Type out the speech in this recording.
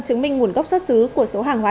chứng minh nguồn gốc xuất xứ của số hàng hóa